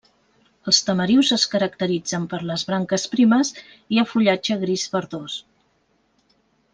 Els tamarius es caracteritzen per les branques primes i el fullatge gris verdós.